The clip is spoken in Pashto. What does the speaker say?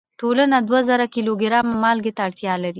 ټولنه دوه زره کیلو ګرامه مالګې ته اړتیا لري.